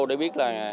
để biết là